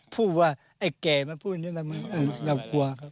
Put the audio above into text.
พูดว่าไอ้แก่มันพูดอย่างนี้แล้วเรากลัวครับ